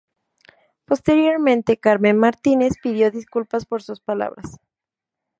Posteriormente, Carmen Martínez pidió disculpas por sus palabras.